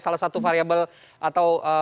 salah satu variabel atau